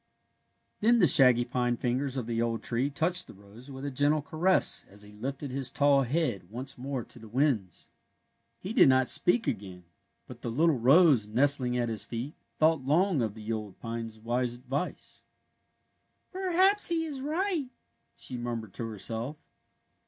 Then the shaggy pine fingers of the old tree touched the rose with a gentle caress as he lifted his tall head once more to the winds. A CHKISTMA8 ROSE 119 He did not speak again, but the little rose, nestling at his feet, thought long of the old pine's wise advice. *' Perhaps he is right," she murmured to herself.